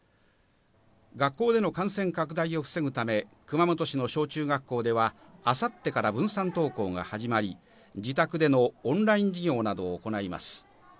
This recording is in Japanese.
学校での感染拡大を防ぐため熊本市の小中学校では明後日から分散登校が始まり、自宅でのオンライン授業などを行います。